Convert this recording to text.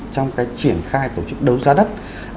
trong cái triển khai tổ chức đấu ra đất